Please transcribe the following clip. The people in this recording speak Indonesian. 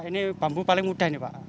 ini bambu paling mudah ini pak